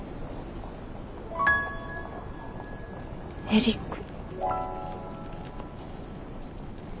エリック。